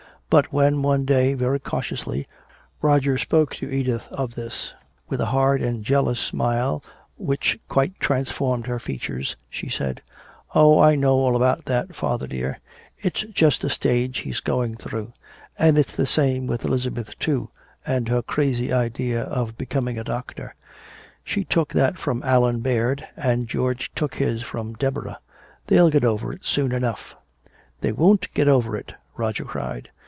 But when one day, very cautiously, Roger spoke to Edith of this, with a hard and jealous smile which quite transformed her features, she said, "Oh, I know all about that, father dear. It's just a stage he's going through. And it's the same way with Elizabeth, too, and her crazy idea of becoming a doctor. She took that from Allan Baird, and George took his from Deborah! They'll get over it soon enough " "They won't get over it!" Roger cried.